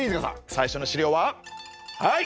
最初の資料ははい！